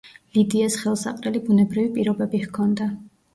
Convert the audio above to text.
ლიდიას ხელსაყრელი ბუნებრივი პირობები ჰქონდა.